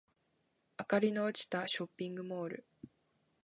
明かりの落ちたショッピングモール